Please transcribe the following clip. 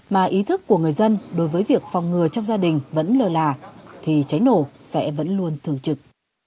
mà ý thức của người dân đối với việc phòng ngừa trong gia đình vẫn lờ là thì cháy nổ sẽ vẫn luôn thường trực